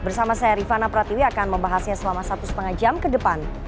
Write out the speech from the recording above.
bersama saya rifana pratiwi akan membahasnya selama satu lima jam ke depan